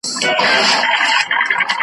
د هغو کسانو په زړونو .